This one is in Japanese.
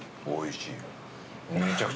おいしい。